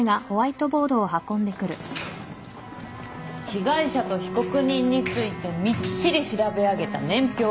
被害者と被告人についてみっちり調べ上げた年表です。